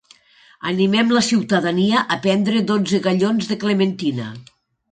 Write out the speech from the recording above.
Animem la ciutadania a prendre dotze gallons de clementina.